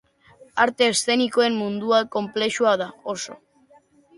Arte eszenikoen mundua konplexua da, oso.